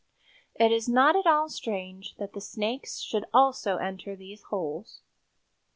It is not at all strange that the snakes should also enter these holes.